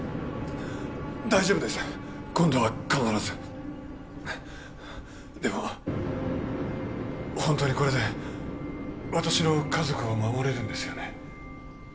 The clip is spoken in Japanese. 大丈夫です今度は必ずでも本当にこれで私の家族を守れるんですよね？